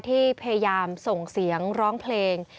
ที่พยายามส่งเสียงร้องเพลง